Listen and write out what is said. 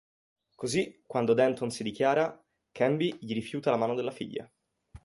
Così, quando Denton si dichiara, Canby gli rifiuta la mano della figlia.